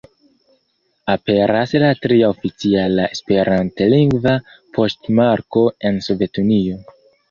Aperas la tria oficiala esperantlingva poŝtmarko en Sovetunio.